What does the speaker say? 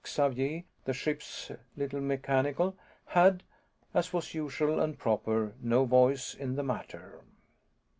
Xavier, the ship's little mechanical, had as was usual and proper no voice in the matter.